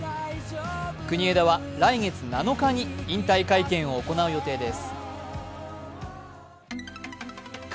国枝は来月７日に引退会見を行う予定です。